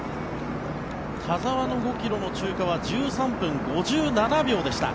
田澤の５ｋｍの通過は１３分５７秒でした。